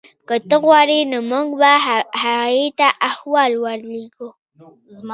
که ته غواړې نو موږ به هغې ته احوال ورلیږو